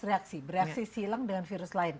reaksi bereaksi silang dengan virus lain